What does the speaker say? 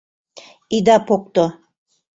— Ида покто...